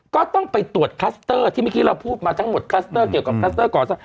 ก็ต้องไปตรวจคลัสเตอร์ที่เมื่อกี้เราพูดมาทั้งหมดคลัสเตอร์เกี่ยวกับคลัสเตอร์ก่อสร้าง